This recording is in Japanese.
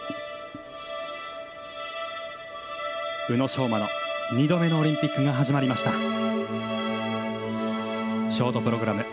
宇野昌磨の２度目のオリンピックが始まりました。